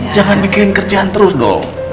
jangan mikirin kerjaan terus dong